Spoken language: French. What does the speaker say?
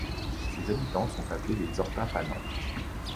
Ses habitants sont appelés les Ortaffanencs.